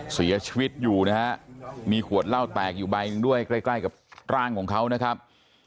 เสียชีวิตอยู่นะฮะมีขวดเหล้าแตกอยู่ใบหนึ่งด้วยใกล้ใกล้กับร่างของเขานะครับ